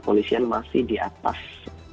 kepolisian masih di atas